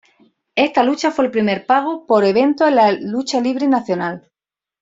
Ésta lucha fue el primer Pago por Evento en la lucha libre nacional.